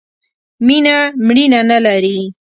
مینه ، مړینه نه لري.